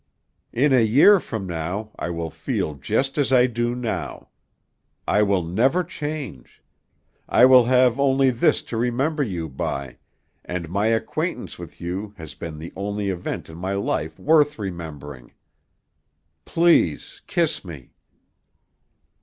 "In a year from now I will feel just as I do now. I will never change. I will have only this to remember you by, and my acquaintance with you has been the only event in my life worth remembering. Please kiss me."